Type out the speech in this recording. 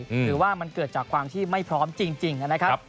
หรือว่ามันเกิดจากความที่ไม่พร้อมจริงนะครับ